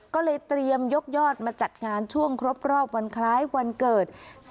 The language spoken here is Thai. ก็เลยเตรียมยกยอดมาจัดงานช่วงครบรอบวันคล้ายวันเกิด